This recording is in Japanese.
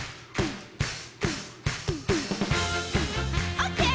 オッケー！